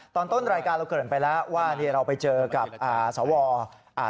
ตอนต้นรายการเราเกิดไปแล้วว่าเนี่ยเราไปเจอกับอ่าสวอ่า